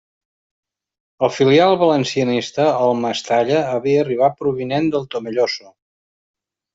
Al filial valencianista, el Mestalla, havia arribat provinent del Tomelloso.